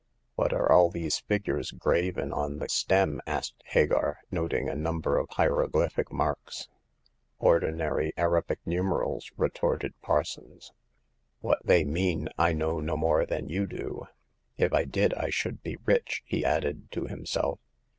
"What are all these figures graven on the The Fifth Customer. 133 stem ?" asked Hagar, noting a number of hiero glyphic marks. Ordinary Arabic numerals/' retorted Par sons. " What they mean I know no more than you do. If I did I should be rich," he added, to himself.